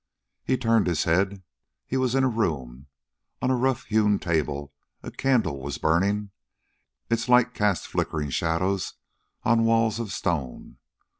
He turned his head. He was in a room. On a rough hewn table a candle was burning. Its light cast flickering shadows on walls of stone.